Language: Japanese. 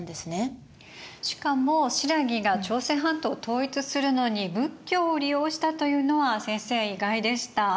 しかも新羅が朝鮮半島を統一するのに仏教を利用したというのは先生意外でした。